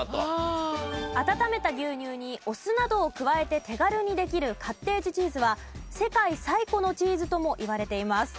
温めた牛乳にお酢などを加えて手軽にできるカッテージチーズは世界最古のチーズともいわれています。